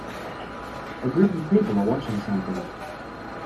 A group of people are watching something.